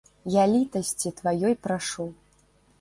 Я літасці тваёй прашу.